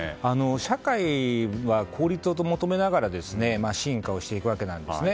社会は効率を求めながら進化していくわけですね。